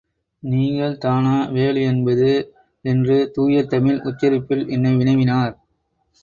நீங்கள் தானா வேலு என்பது? என்று தூய தமிழ் உச்சரிப்பில், என்னை வினவினார்.